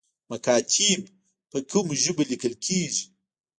مکاتیب په کومو ژبو لیکل کیږي؟